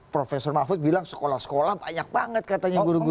profesor mahfud bilang sekolah sekolah banyak banget katanya guru guru